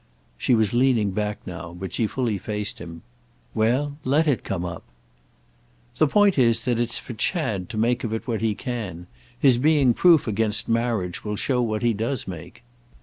She was leaning back now, but she fully faced him. "Well, let it come up!" "The point is that it's for Chad to make of it what he can. His being proof against marriage will show what he does make."